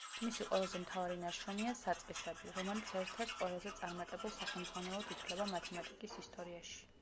მისი ყველაზე მთავარი ნაშრომია „საწყისები“, რომელიც ერთ-ერთ ყველაზე წარმატებულ სახელმძღვანელოდ ითვლება მათემატიკის ისტორიაში.